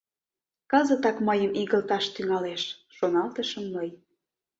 «Кызытак мыйым игылташ тӱҥалеш», — шоналтышым мый.